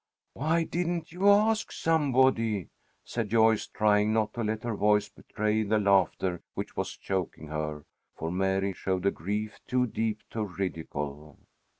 "Why didn't you ask somebody?" said Joyce trying not to let her voice betray the laughter which was choking her, for Mary showed a grief too deep to ridicule.